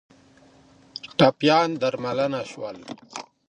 ټپیان درملنه شول